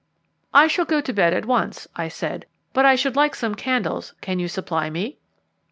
"I shall go to bed at once," I said, "but I should like some candles. Can you supply me?"